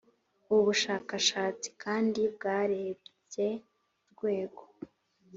Ubu bushakashatsi kandi bwarebye urwego